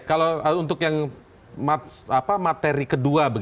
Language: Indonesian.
kalau untuk yang materi kedua